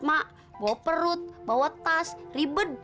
mak bawa perut bawa tas ribet